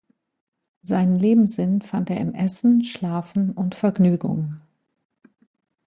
Seinen Lebenssinn fand er im Essen, Schlafen und Vergnügungen.